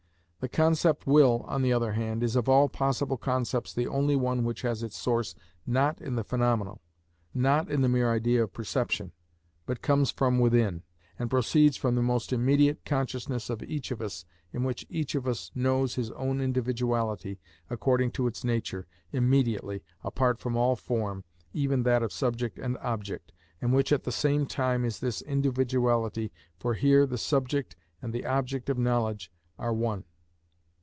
The concept will, on the other hand, is of all possible concepts the only one which has its source not in the phenomenal, not in the mere idea of perception, but comes from within, and proceeds from the most immediate consciousness of each of us, in which each of us knows his own individuality, according to its nature, immediately, apart from all form, even that of subject and object, and which at the same time is this individuality, for here the subject and the object of knowledge are one.